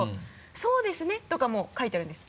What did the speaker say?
「そうですね」とかも書いてあるんです。